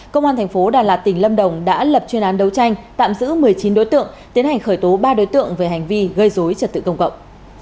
công an thành phố đà lạt tỉnh lâm đồng đã lập chuyên án đấu tranh tạm giữ một mươi chín đối tượng tiến hành khởi tố ba đối tượng về hành vi gây dối trật tự công cộng